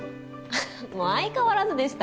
ははっもう相変わらずでした。